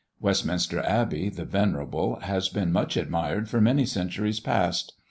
Westminster Abbey, the venerable, has been much admired for many centuries past.